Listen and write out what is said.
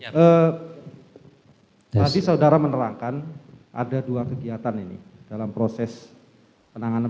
eh tadi saudara menerangkan ada dua kegiatan ini dalam proses penanganan